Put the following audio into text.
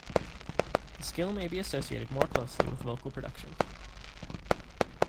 The skill may be associated more closely with vocal production.